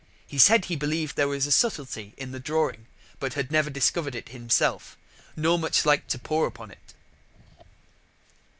He said he believ'd there was a subtlety in the drawing, but had never discover'd it himself, nor much liked to pore upon it."